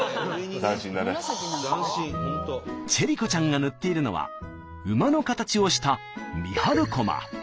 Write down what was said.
チェリ子ちゃんが塗っているのは馬の形をした三春駒。